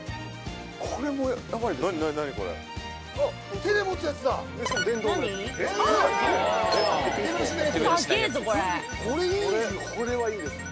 これもやばいですね。